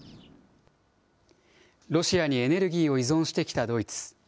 ロシアにエネルギーを依存してきたドイツ。